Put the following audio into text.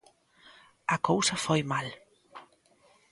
A cousa foi mal.